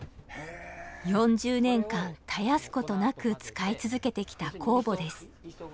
４０年間絶やすことなく使い続けてきた酵母です。